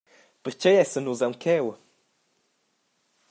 Pertgei essan nus aunc cheu?